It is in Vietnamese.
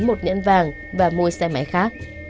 một nhẫn vàng và mua xe máy khác